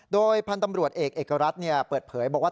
โดยพันธุ์ตำรวจเอกเอกรัฐเปิดเผยบอกว่า